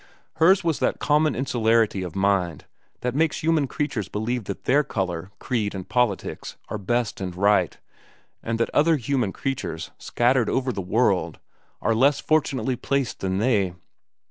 Hers was that common insularity of mind that makes human creatures believe that their color, creed, and politics are best and right and that other human creatures scattered over the world are less fortunately placed than they.